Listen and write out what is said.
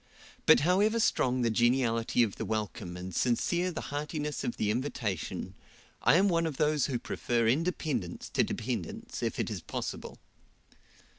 But however strong the geniality of the welcome and sincere the heartiness of the invitation, I am one of those who prefer independence to dependence if it is possible.